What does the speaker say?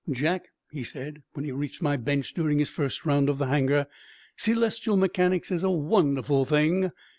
"Jack," he said, when he reached my bench during his first round of the hanger, "celestial mechanics is a wonderful thing.